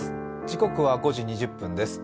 時刻は５時２０分です。